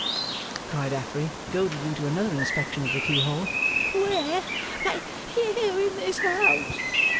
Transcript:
cried Affery, goaded into another inspection of the keyhole. 'Where but here in this house?